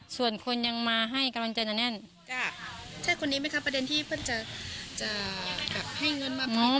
ส่วนคนยังมาให้กำลังใจจะแน่นใช่คนนี้ไหมคะประเด็นที่เพิ่งจะแบบให้เงินมาฟ้อง